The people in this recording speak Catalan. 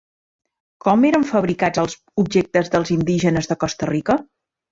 Com eren fabricats els objectes pels indígenes de Costa Rica?